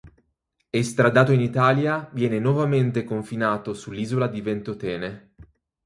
Estradato in Italia viene nuovamente confinato sull'Isola di Ventotene.